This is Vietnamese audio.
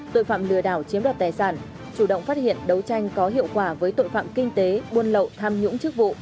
tội phạm lừa đảo chiếm đoạt tài sản chủ động phát hiện đấu tranh có hiệu quả với tội phạm kinh tế buôn lậu tham nhũng chức vụ